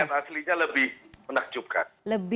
lihat aslinya lebih menakjubkan